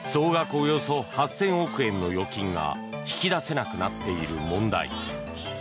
およそ８０００億円の預金が引き出せなくなっている問題。